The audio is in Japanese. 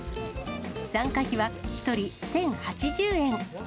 参加費は１人１０８０円。